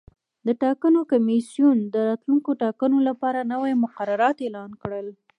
د ټاکنو کمیسیون د راتلونکو ټاکنو لپاره نوي مقررات اعلان کړل.